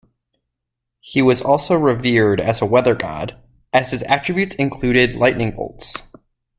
He was also revered as a weather god, as his attributes included lightning bolts.